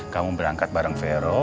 kamu berangkat bareng fero